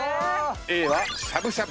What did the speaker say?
Ａはしゃぶしゃぶ。